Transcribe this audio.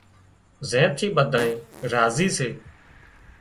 زين ٿي ٻڌانئين راضي سي